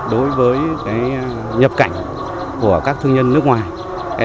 đối với nhập cảnh của các thương nhân nước ngoài